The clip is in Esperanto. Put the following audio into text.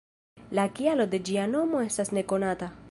La kialo de ĝia nomo estas nekonata.